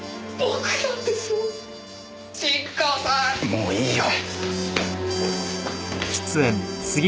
もういいよ。